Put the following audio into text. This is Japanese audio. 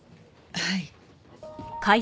はい。